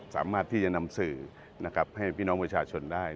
สามารถที่จะนำสื่อนะครับให้พี่น้องประชาชนได้